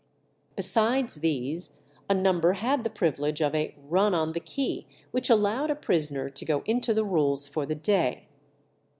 Besides these, a number had the privilege of a "run on the key," which allowed a prisoner to go into the rules for the day.